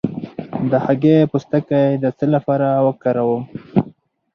د هګۍ پوستکی د څه لپاره وکاروم؟